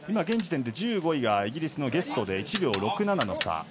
現時点で１５位がイギリスのゲストで１秒６７の差。